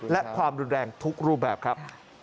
และความรุนแรงทุกรูปแบบครับ